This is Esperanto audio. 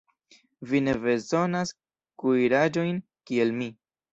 Vi ne bezonas kuiraĵojn, kiel mi.